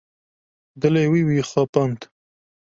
Dilê wî, wî xapand.